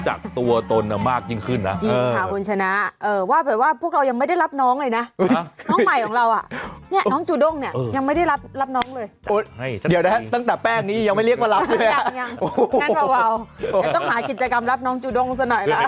จะต้องหากิจกรรมรับน้องจูด้งส่วนหน่อยน่ะ